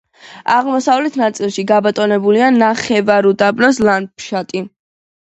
აღმოსავლეთ ნაწილში გაბატონებულია ნახევარუდაბნოს ლანდშაფტი.